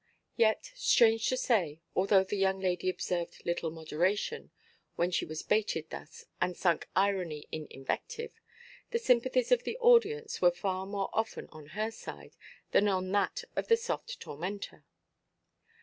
Yet, strange to say, although the young lady observed little moderation, when she was baited thus, and sunk irony in invective, the sympathies of the audience were far more often on her side than on that of the soft tormentor.